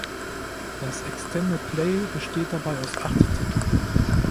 Das Extended Play besteht dabei aus acht Titeln.